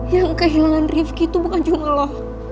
yang kehilangan ripky itu bukan cuma lo